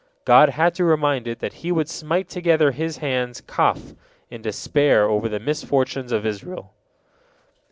God had to remind it that He would smite together His hands, Kaf, in despair over the misfortunes of Israel.